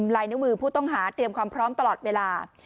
ลายนิ้วมือผู้ต้องหาเตรียมความพร้อมตลอดเวลา